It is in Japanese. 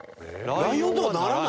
ライオンとかならない？